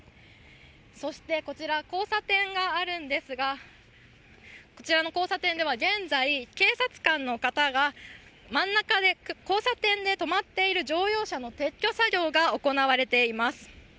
そしてこちら交差点があるんですが、こちらの交差点では現在、警察官の方が交差点で止まっている乗用車の撤去作業が行われています。